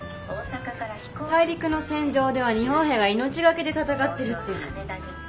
大陸の戦場では日本兵が命懸けで戦ってるっていうのに。